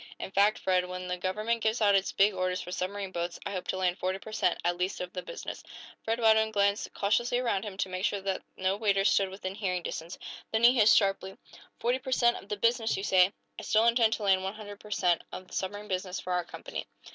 In fact, Fred, when the government gives out its big orders for submarine boats, I hope to land forty per cent., at least, of the business." Fred Radwin glanced cautiously around him, to make sure that no waiters stood within hearing distance. Then he hissed, sharply: "Forty per cent. of the business, you say? I still intend to land one hundred per cent. of the submarine business for our company?"